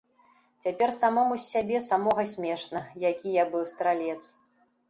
Цяпер самому з сябе самога смешна, які я быў стралец.